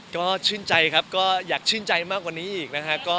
ก็ชื่นใจครับก็อยากชื่นใจมากกว่านี้อีกนะฮะ